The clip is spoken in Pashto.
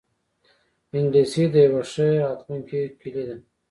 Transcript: انګلیسي د یوی ښه راتلونکې کلۍ ده